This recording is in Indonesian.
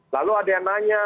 lalu ada yang nanya